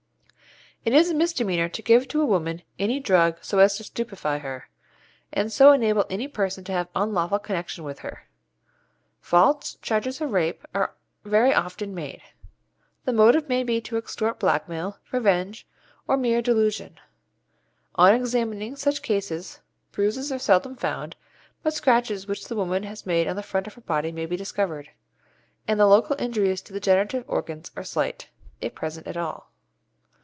It is a misdemeanour to give to a woman any drug so as to stupefy her, and so enable any person to have unlawful connection with her. False charges of rape are very often made. The motive may be to extort blackmail, revenge, or mere delusion. On examining such cases bruises are seldom found, but scratches which the woman has made on the front of her body may be discovered, and the local injuries to the generative organs are slight, if present at all.